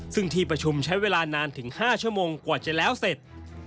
ซึ่งที่ประชุมใช้เวลานานถึง๕ชั่วโมงกว่าจะแล้วเสร็จ